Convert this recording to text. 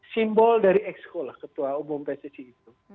simbol dari exco lah ketua umum pssi itu